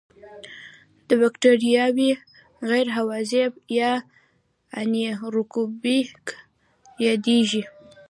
دا بکټریاوې غیر هوازی یا انئیروبیک یادیږي.